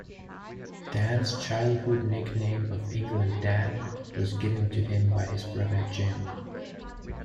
Dan's childhood nickname of "England Dan" was given to him by his brother Jim.